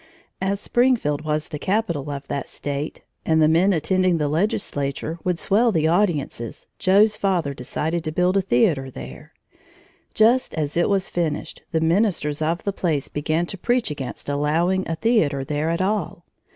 As Springfield was the capital of that State, and the men attending the legislature would swell the audiences, Joe's father decided to build a theater there. Just as it was finished, the ministers of the place began to preach against allowing a theater there at all.